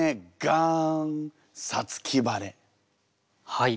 はい。